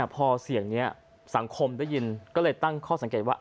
พอเสียงนี้สังคมได้ยินก็เลยตั้งข้อสังเกตว่า